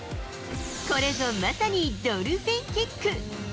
これぞまさにドルフィンキック。